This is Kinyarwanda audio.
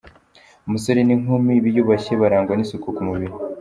Umusore n’inkumi biyubashye barangwa n’isuku ku mubiri.